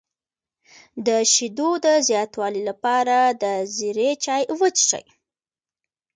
د شیدو د زیاتوالي لپاره د زیرې چای وڅښئ